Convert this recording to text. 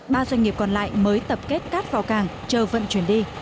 ba doanh nghiệp còn lại mới tập kết cát vào cảng chờ vận chuyển đi